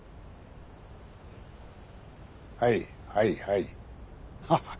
はいはいはいハハ